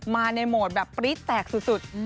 มาในโหมดแบบปรี๊ดแตกสุด